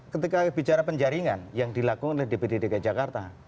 ketika bicara penjaringan yang dilakukan oleh dpd dki jakarta